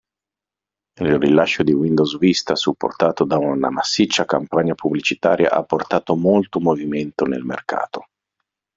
Il rilascio di Windows Vista, supportato da una massiccia campagna pubblicitaria, ha portato molto movimento nel mercato.